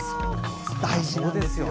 大事なんですよ。